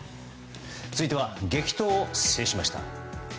続いては激闘を制しました。